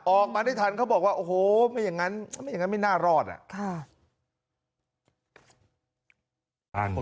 ออกมาได้ทันเขาบอกว่าโอ้โหไม่อย่างนั้นไม่อย่างนั้นไม่น่ารอดอ่ะ